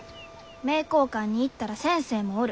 名教館に行ったら先生もおる。